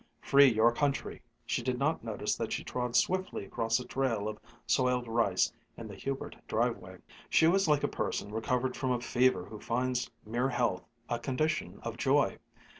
Free your country!'" She did not notice that she trod swiftly across a trail of soiled rice in the Hubert driveway. She was like a person recovered from a fever who finds mere health a condition of joy.